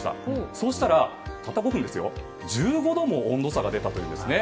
そうしたらたった５分で１５度も温度差が出たんですね。